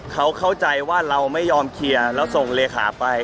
เขาเข้าใจว่าเราไม่ยอมเคลียร์แล้วส่งเลขาไป